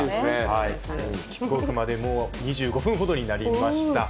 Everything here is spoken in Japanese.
キックオフまで２５分程になりました。